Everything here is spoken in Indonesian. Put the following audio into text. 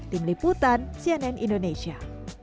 tim liputan cnn indonesia